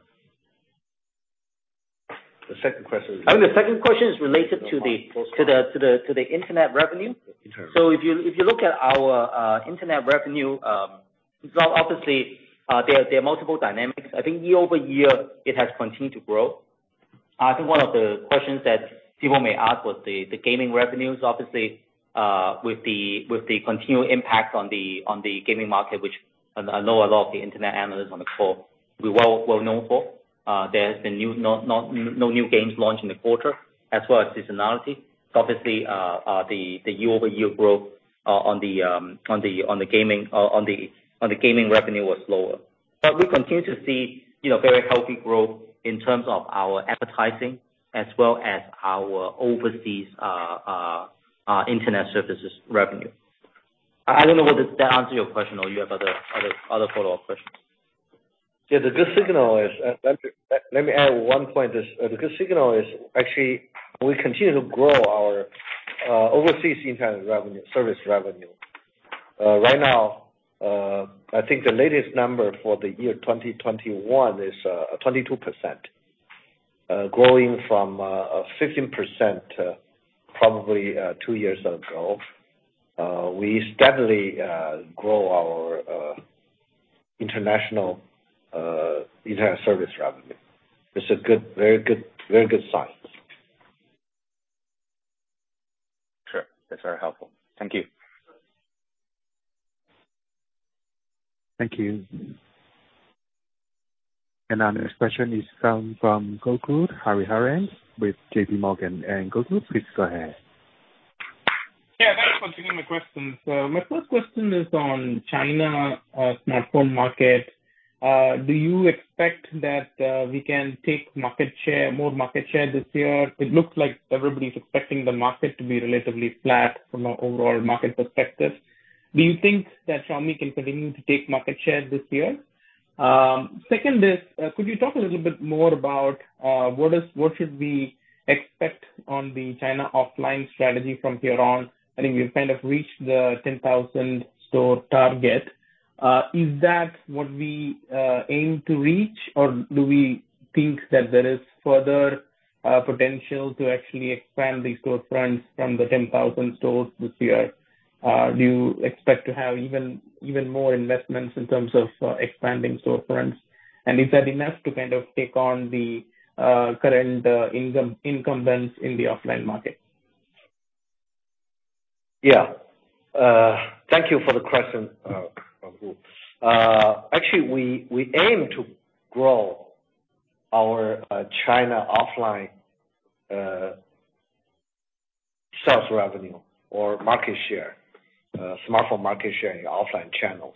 The second question is. The second question is related to First one. To the internet revenue. Internet revenue. If you look at our internet revenue, well, obviously, there are multiple dynamics. I think year-over-year, it has continued to grow. I think one of the questions that people may ask was the gaming revenues, obviously, with the continued impact on the gaming market, which I know a lot of the internet analysts on the call will know for, there has been no new games launched in the quarter as well as seasonality. Obviously, the year-over-year growth on the gaming revenue was lower. But we continue to see, you know, very healthy growth in terms of our advertising as well as our overseas internet services revenue. I don't know whether that does answer your question or you have other follow-up questions. Yeah. Let me add one point. The good signal is actually we continue to grow our overseas internet revenue, service revenue. Right now, I think the latest number for the year 2021 is 22%, growing from a 15%, probably two years ago. We steadily grow our international internet service revenue. It's a good, very good sign. Sure. That's very helpful. Thank you. Thank you. Our next question is from Gokul Hariharan with JPMorgan. Gokul, please go ahead. Yeah. Thanks for taking my questions. My first question is on China smartphone market. Do you expect that we can take market share, more market share this year? It looks like everybody's expecting the market to be relatively flat from an overall market perspective. Do you think that Xiaomi can continue to take market share this year? Second is, could you talk a little bit more about what should we expect on the China offline strategy from here on? I think we've kind of reached the 10,000 store target. Is that what we aim to reach, or do we think that there is further potential to actually expand the store fronts from the 10,000 stores this year? Do you expect to have even more investments in terms of expanding storefronts? Is that enough to kind of take on the current incumbents in the offline market? Yeah. Thank you for the question, Gokul. Actually, we aim to grow our China offline sales revenue or market share, smartphone market share in the offline channels.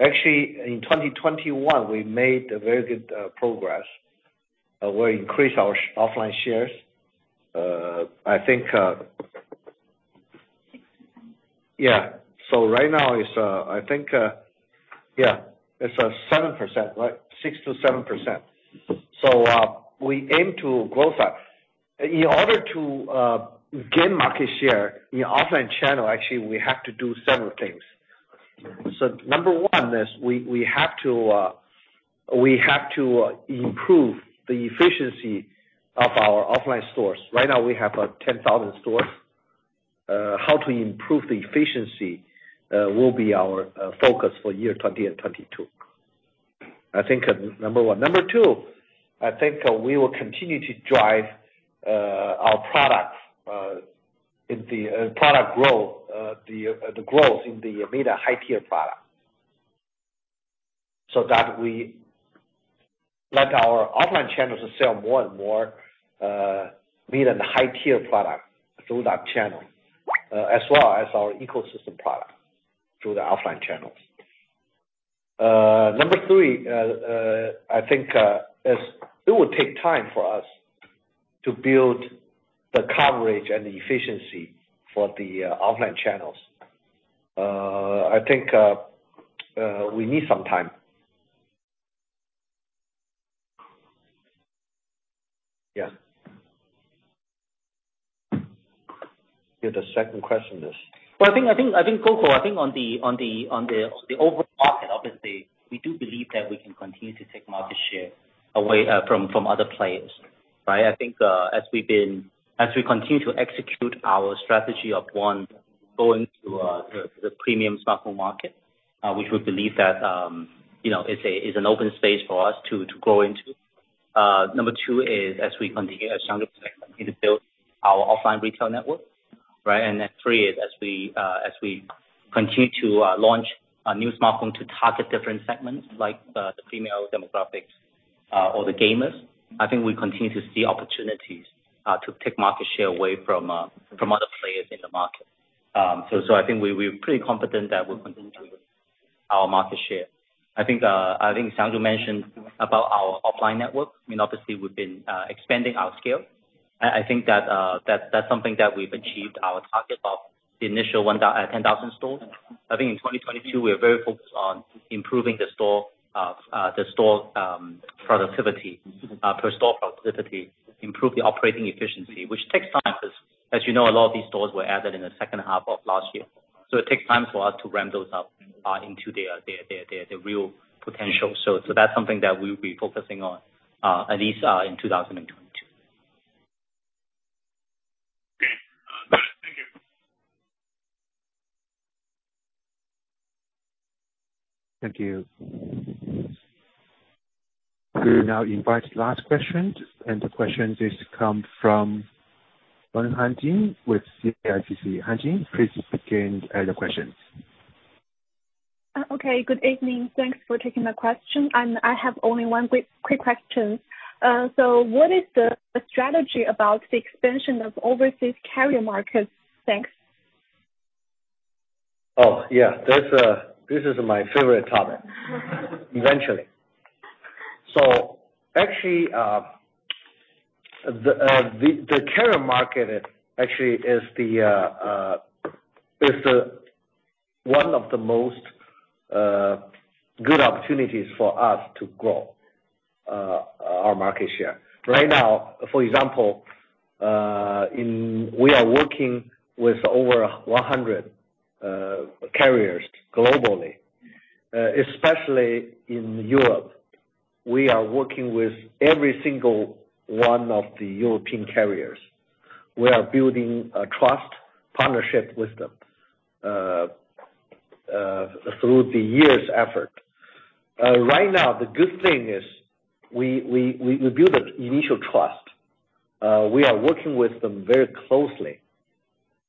Actually, in 2021, we made a very good progress, where we increased our offline shares. I think... 6%. Yeah. Right now it's, I think, yeah, it's 7%, right? 6%-7%. We aim to grow that. In order to gain market share in the offline channel, actually, we have to do several things. Number one is we have to improve the efficiency of our offline stores. Right now we have 10,000 stores. How to improve the efficiency will be our focus for 2020 and 2022. I think number one. Number two, I think we will continue to drive our products in the product growth, the growth in the mid- and high-tier product so that we let our offline channels sell more and more mid- and high-tier product through that channel, as well as our ecosystem product through the offline channels. 3, I think it would take time for us to build the coverage and the efficiency for the offline channels. I think we need some time. Yeah. Yeah, the second question is? Well, I think, Gokul, I think on the overall market, obviously, we do believe that we can continue to take market share away from other players, right? I think, as we continue to execute our strategy of, one, going to the premium smartphone market, which we believe that, you know, is an open space for us to grow into. Number two is, as we continue to build our offline retail network, right? Three is as we continue to launch a new smartphone to target different segments like the female demographics or the gamers, I think we continue to see opportunities to take market share away from other players in the market. I think we're pretty confident that we'll continue to our market share. I think Xiang Wang mentioned about our offline network. I mean, obviously we've been expanding our scale. I think that's something that we've achieved our target of the initial 10,000 stores. I think in 2022, we are very focused on improving the store productivity, per store productivity, improve the operating efficiency, which takes time because as you know, a lot of these stores were added in the second half of last year. It takes time for us to ramp those up into their real potential. That's something that we'll be focusing on, at least in 2022. Thank you. We now invite last question, and the question comes from Wen Hanjing with CICC. Hanjing, please begin your questions. Okay. Good evening. Thanks for taking my question. I have only one quick question. What is the strategy about the expansion of overseas carrier markets? Thanks. Oh, yeah. This is my favorite topic. Actually, the carrier market actually is one of the most good opportunities for us to grow our market share. Right now, for example, we are working with over 100 carriers globally, especially in Europe. We are working with every single one of the European carriers. We are building a trust partnership with them through the years' effort. Right now, the good thing is we build the initial trust. We are working with them very closely.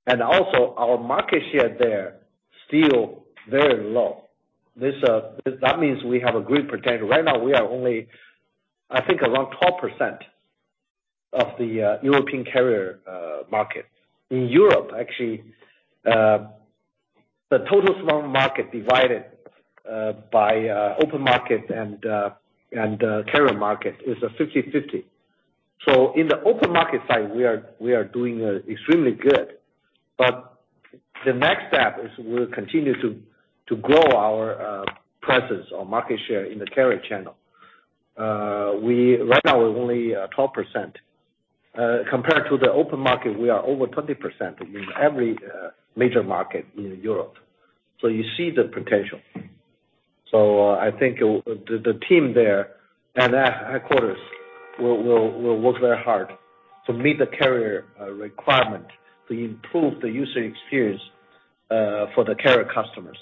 Also our market share there is still very low. That means we have a great potential. Right now we are only, I think, around 12% of the European carrier market. In Europe actually, the total smartphone market divided by open market and carrier market is a 50/50. In the open market side, we are doing extremely good. The next step is we'll continue to grow our presence or market share in the carrier channel. Right now we're only 12%. Compared to the open market, we are over 20% in every major market in Europe. You see the potential. I think the team there and at headquarters will work very hard to meet the carrier requirement to improve the user experience for the carrier customers.